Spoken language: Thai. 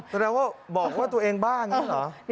แสดงว่าบอกว่าตัวเองบ้างอย่างนี้เหรอ